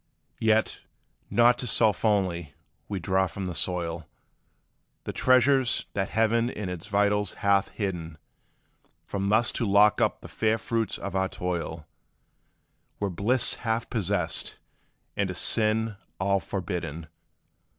Yet, not to self only, we draw from the soil The treasures that Heaven in its vitals hath hidden; For thus to lock up the fair fruits of our toil Were bliss half possessed, and a sin all forbidden.